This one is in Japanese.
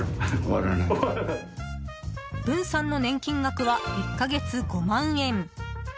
ぶんさんの年金額は１か月５万円。